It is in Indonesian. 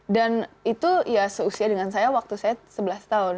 dan itu ya seusia dengan saya waktu saya sebelas tahun